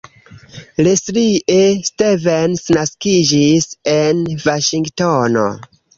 Leslie Stevens naskiĝis en Vaŝingtono.